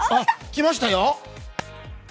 来ましたよ！